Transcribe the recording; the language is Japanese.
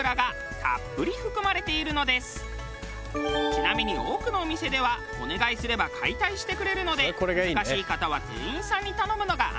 ちなみに多くのお店ではお願いすれば解体してくれるので難しい方は店員さんに頼むのが安心。